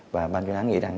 và ban chuyên án nghĩ rằng